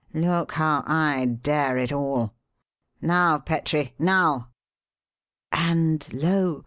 Look how I dare it all. Now Petrie, now!" And lo!